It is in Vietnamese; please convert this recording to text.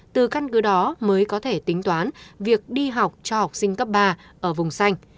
từ căn cứ đó mới có thể tính toán việc đi học cho học sinh cấp ba ở vùng xanh